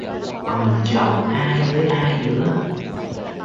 Còn chọn ai với ai nữa